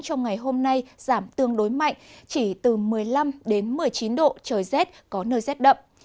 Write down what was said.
trong ngày hôm nay giảm tương đối mạnh chỉ từ một mươi năm một mươi chín độ trời rét có nơi rét đậm